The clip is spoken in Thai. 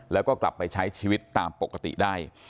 แล้วก็กลับไปใช้ชีวิตตามปกติได้